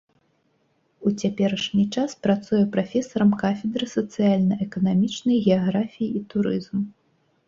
У цяперашні час працуе прафесарам кафедры сацыяльна-эканамічнай геаграфіі і турызму.